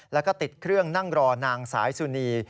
แล้วก็ติดเครื่องนั่งรอนางสายสุนี